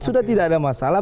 sudah tidak ada masalah